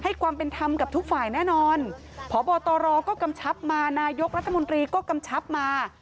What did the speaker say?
ความเป็นธรรมกับทุกฝ่ายแน่นอนพบตรก็กำชับมานายกรัฐมนตรีก็กำชับมา